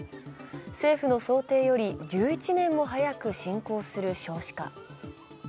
政府の想定より１１年も早く進行する少子化。